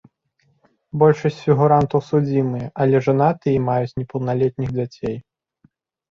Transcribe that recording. Большасць з фігурантаў судзімыя, але жанатыя і маюць непаўналетніх дзяцей.